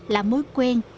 là mối quen